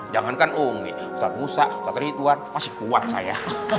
jangankan umi ustadz musa ustadz ritwan masih kuat saya